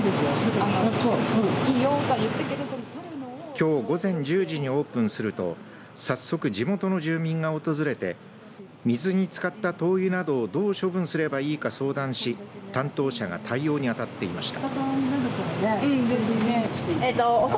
きょう午前１０時にオープンすると早速、地元の住民が訪れて水につかった灯油などをどう処分すればいいか相談し担当者が対応に当たっていました。